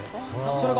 それが。